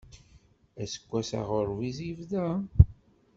Aseggas aɣurbiz yebda.